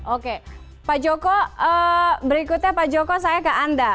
oke pak joko berikutnya pak joko saya ke anda